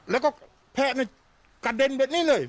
แล้วแพ้กระเด็นเป็นนี้เลย